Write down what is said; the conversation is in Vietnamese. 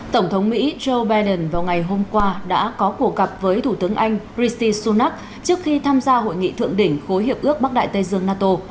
tổng thống mỹ joe biden vào ngày hôm qua đã có cuộc gặp với thủ tướng anh rishi sunak trước khi tham gia hội nghị thượng đỉnh khối hiệp ước bắc đại tây dương nato